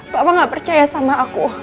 bapak nggak percaya sama aku